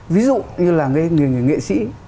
ví dụ như là người nghệ sĩ